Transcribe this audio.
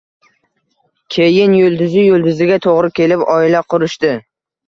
Keyin yulduzi yulduziga to`g`ri kelib, oila qurishdi